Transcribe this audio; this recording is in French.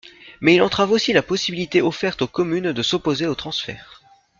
Mais il entrave aussi la possibilité offerte aux communes de s’opposer au transfert.